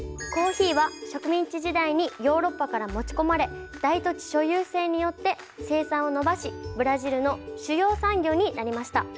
コーヒーは植民地時代にヨーロッパから持ち込まれ大土地所有制によって生産を伸ばしブラジルの主要産業になりました。